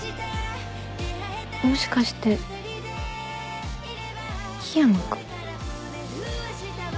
もしかして緋山君？